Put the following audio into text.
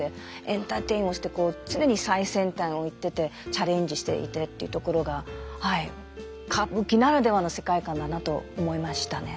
エンターテインメントもして常に最先端を行っててチャレンジしていてっていうところが歌舞伎ならではの世界観だなと思いましたね。